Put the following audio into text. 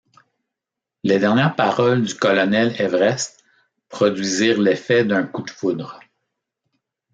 Les dernières paroles du colonel Everest produisirent l’effet d’un coup de foudre.